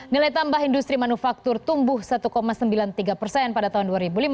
nilai tambah industri manufaktur tumbuh satu sembilan puluh tiga persen pada tahun dua ribu lima belas